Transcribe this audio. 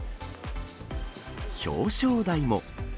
表彰台も。